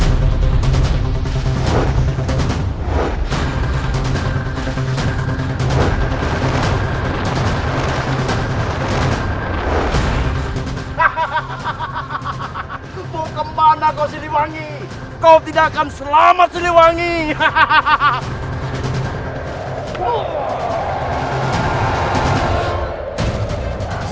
hahaha mau kemana kau siliwangi kau tidak akan selamat siliwangi hahaha